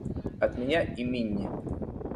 От меня и Минни.